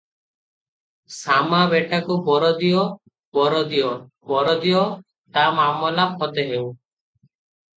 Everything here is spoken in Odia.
ଶାମା ବେଟାକୁ ବର ଦିଅ - ବର ଦିଅ - ବର ଦିଅ, ତା ମାମଲା ଫତେ ହେଉ ।"